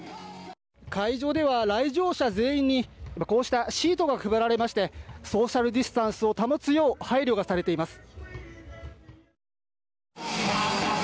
会場では来場者全員にこうしたシートが配られましてソーシャルディスタンスを保つよう配慮がされています。